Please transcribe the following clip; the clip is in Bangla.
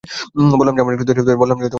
বললাম যে আমার আরেকটু যেতে দেরি হবে।